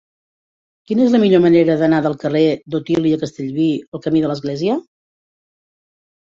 Quina és la millor manera d'anar del carrer d'Otília Castellví al camí de l'Església?